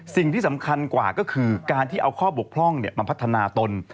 สิ่งที่สำคัญกว่าก็คือการที่เอาข้อบกพร่องมาพัฒนาตน